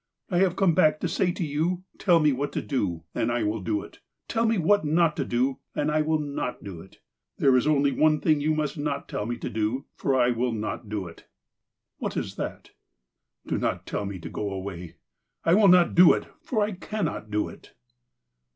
I have come back to say to you : Tell me what to do, and I will do it. Tell me what not to do, and I will not do it. There is only one thing you must not tell me to do, for I will not do it." ''What is that?" '' Do not tell me to go away. I icill not do it, for I cannot do it."